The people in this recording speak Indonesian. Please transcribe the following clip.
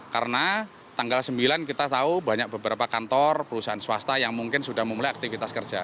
karena tanggal sembilan kita tahu banyak beberapa kantor perusahaan swasta yang mungkin sudah memulai aktivitas kerja